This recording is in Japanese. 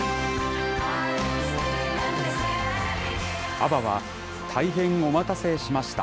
ＡＢＢＡは、大変お待たせしました。